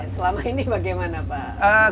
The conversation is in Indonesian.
selama ini bagaimana pak